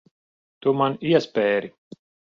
Tu man iespēri.